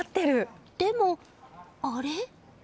でも、あれ？